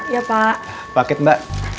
ya pak paket mbak